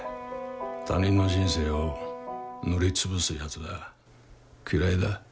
他人の人生を塗り潰すやつが嫌いだ。